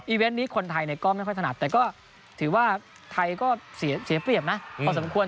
เวนต์นี้คนไทยก็ไม่ค่อยถนัดแต่ก็ถือว่าไทยก็เสียเปรียบนะพอสมควร